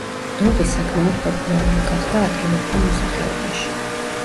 დოღი საკმაოდ პოპულარული გახდა ადგილობრივ მოსახლეობაში.